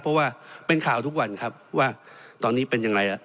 เพราะว่าเป็นข่าวทุกวันครับว่าตอนนี้เป็นอย่างไร